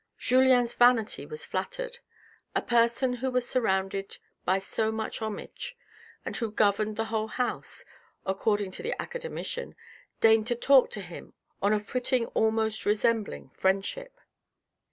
Julien's vanity was flattered. A person who was surrounded by so much homage, and who governed the whole house, according to the academician, deigned to talk to him on a footing almost resembling friendship.